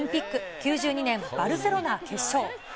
９２年バルセロナ決勝。